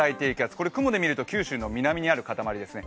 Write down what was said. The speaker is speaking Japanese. これ雲で見ると、九州の南にある塊ですね。